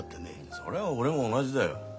それは俺も同じだよ。